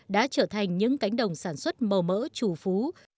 đã trở thành những cánh đồng sản xuất màu mỡ trù phú